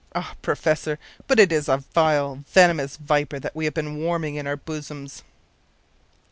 Ah, professor, but it is a vile, venomous viper that we have been warming in our bosoms!